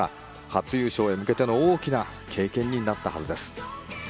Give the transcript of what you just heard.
初優勝へ向けての大きな経験になったはずです。